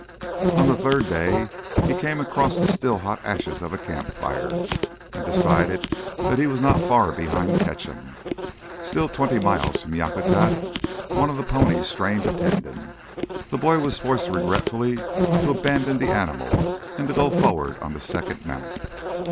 On the third day he came across the still hot ashes of a campfire, and decided that he was not far behind Ketcham. Still twenty miles from Yakutat, one of the ponies strained a tendon. The boy was forced regretfully to abandon the animal and to go forward on the second mount.